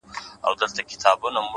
گراني چي ستا سره خبـري كوم!